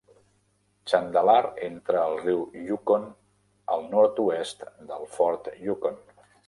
Chandalar entra al riu Yukon al nord-oest del fort Yukon.